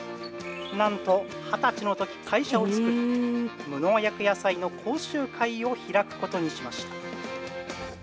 なんと２０歳のとき会社を作って無農薬野菜の講習会を開くことにしました。